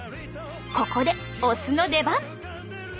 ここでお酢の出番。